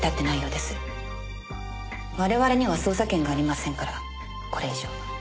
我々には捜査権がありませんからこれ以上は。